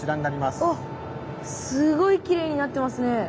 あっすごいきれいになってますね。